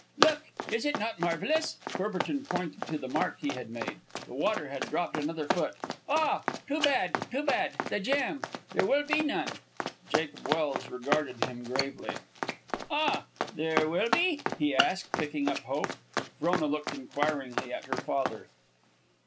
"Look! Is it not marvellous?" Courbertin pointed to the mark he had made. The water had dropped another foot. "Ah! Too bad! too bad! The jam; there will be none!" Jacob Welse regarded him gravely. "Ah! There will be?" he asked, picking up hope. Frona looked inquiringly at her father.